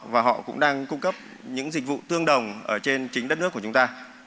và họ cũng đang cung cấp những dịch vụ tương đồng ở trên chính đất nước của chúng ta